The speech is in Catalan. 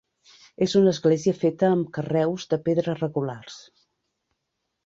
És una església feta amb carreus de pedra regulars.